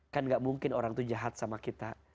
kan gak mungkin orang itu jahat sama kita